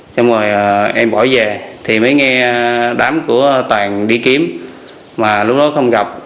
xong rồi em bỏ về thì mới nghe đám của tàn đi kiếm mà lúc đó không gặp